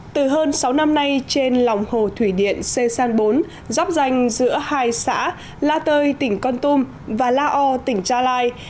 từ hơn sáu năm nay trên lòng hồ thủy điện sê san bốn dắp danh giữa hai xã la tơi tỉnh con tum và la o tỉnh gia lai